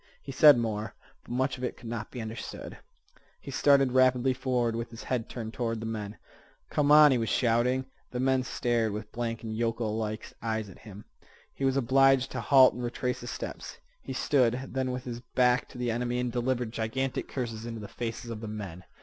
He said more, but much of it could not be understood. He started rapidly forward, with his head turned toward the men, "Come on," he was shouting. The men stared with blank and yokel like eyes at him. He was obliged to halt and retrace his steps. He stood then with his back to the enemy and delivered gigantic curses into the faces of the men.